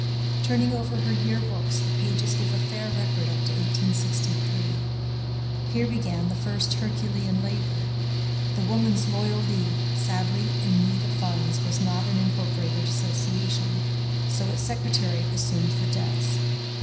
Turning over her year books the pages give a fair record up to 1863. Here began the first herculean labor. The Woman's Loyal League, sadly in need of funds, was not an incorporated association, so its secretary assumed the debts.